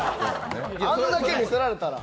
あんだけ見せられたら。